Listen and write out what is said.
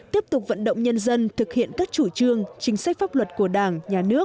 tiếp tục vận động nhân dân thực hiện các chủ trương chính sách pháp luật của đảng nhà nước